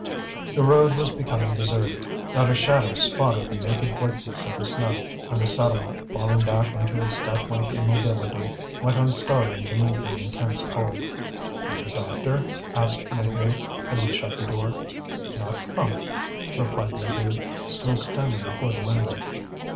The road was becoming deserted, not a shadow spotted the naked whiteness of the snow, and the settlement, falling back into its death like immobility, went on starving beneath the intense cold. "And the doctor?" asked Maheu, as he shut the door. "Not come," replied Maheude, still standing before the window.